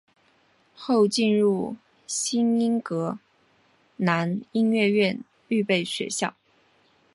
后进入新英格兰音乐院预备学校。